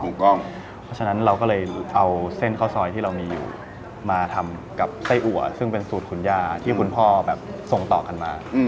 เพราะฉะนั้นเราก็เลยเอาเส้นข้าวซอยที่เรามีอยู่มาทำกับไส้อัวซึ่งเป็นสูตรคุณย่าที่คุณพ่อแบบส่งต่อกันมา